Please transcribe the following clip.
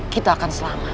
kita akan selamat